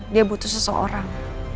dia butuh seseorang